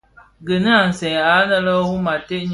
Gèni a nsèè anë le Rum ated ňyi bi kibeni.